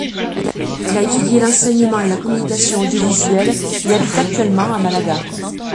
Elle a étudié l'enseignement et la communication audiovisuelle, et habite actuellement à Malaga.